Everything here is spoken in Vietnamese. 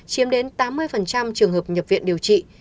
chiếm đến tám mươi trường hợp nhập viện điều trị